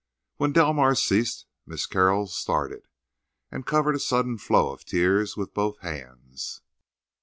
When Delmars ceased Miss Carroll started, and covered a sudden flow of tears with both hands.